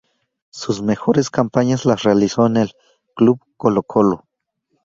Sus mejores campañas las realizó en el club Colo-Colo.